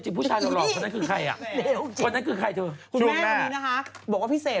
จากกระแสของละครกรุเปสันนิวาสนะฮะ